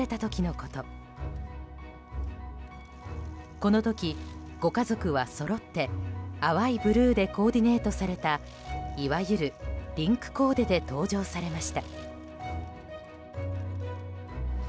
この時、ご家族はそろって淡いブルーでコーディネートされたいわゆるリンクコーデで登場されました。